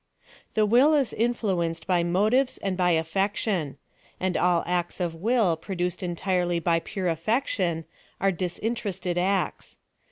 The will is influenced by motives and by alTec tion ; and all acts of will produced entirely by pure alfoction, are disinterested acts.